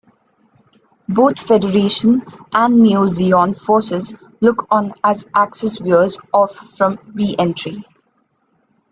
Both Federation and Neo-Zeon forces look on as Axis veers off from reentry.